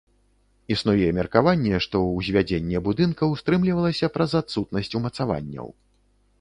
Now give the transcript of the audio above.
Існуе меркаванне, што ўзвядзенне будынкаў стрымлівалася праз адсутнасць умацаванняў.